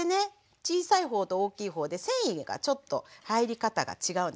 小さいほうと大きいほうで繊維がちょっと入り方が違うんですね。